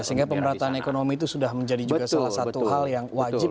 sehingga pemerataan ekonomi itu sudah menjadi juga salah satu hal yang wajib